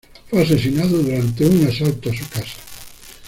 Fue asesinado durante un asalto a su casa.